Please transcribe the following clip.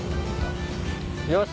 よし。